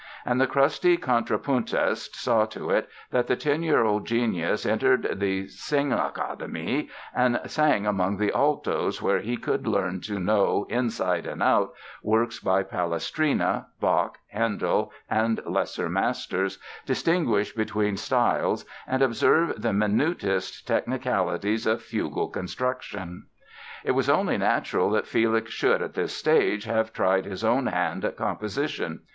And the crusty contrapuntist saw to it that the ten year old genius entered the Singakademie and sang among the altos where he could learn to know, inside and out, works by Palestrina, Bach, Handel and lesser masters, distinguish between styles and observe the minutest technicalities of fugal construction. It was only natural that Felix should, at this stage, have tried his own hand at composition.